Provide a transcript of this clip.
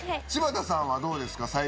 柴田さんはどうですか？